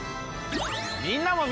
みんなも。